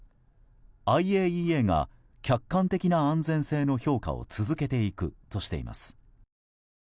ＩＡＥＡが客観的な安全性の評価を続けていくとしています。